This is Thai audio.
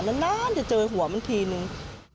นานจะเจอหัวมันทีนึง